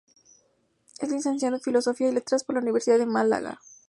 Es licenciada en Filosofía y Letras por la Universidad de Málaga.